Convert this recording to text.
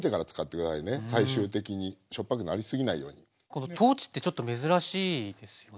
この豆ってちょっと珍しいですよね？